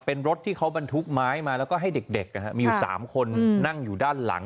เป็นรถที่เขาบรรทุกไม้มาแล้วก็ให้เด็กมีอยู่๓คนนั่งอยู่ด้านหลัง